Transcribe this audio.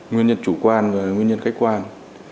nguyên nhân chủ quan và nguyên nhân khách quan